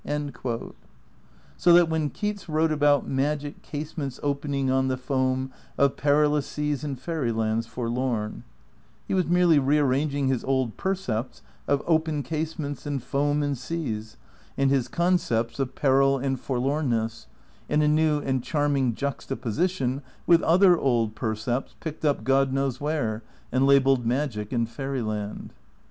n THE CRITICAL PREPARATIONS 27 So that when Keats wrote about "Magic easements opening on the foam Of perilous seas in fairylands forlorn," he was merely rearranging his old percepts of open casements and foam and seas, and his concepts of peril and forlornness, in a new and charming juxta position with other old percepts picked up God knows where and labelled "magic" and "fairyland."